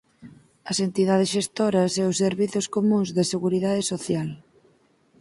As entidades xestoras e os servizos comúns da Seguridade Social.